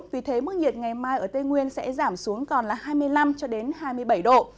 vì thế mức nhiệt ngày mai ở tây nguyên sẽ giảm xuống còn là hai mươi năm hai mươi bảy độ